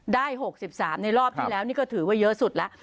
๖๓ในรอบที่แล้วนี่ก็ถือว่าเยอะสุดแล้ว